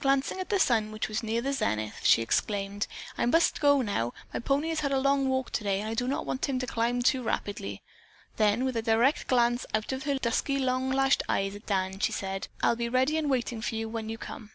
Glancing at the sun, which was nearing the zenith, she exclaimed: "I must go now; my pony has had a long walk today and I do not want him to climb too rapidly." Then with a direct glance out of her dusky, long lashed eyes at Dan, she said: "I'll be ready and waiting for you when you come."